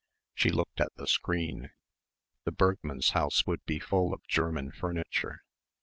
She looked at the screen. The Bergmanns' house would be full of German furniture....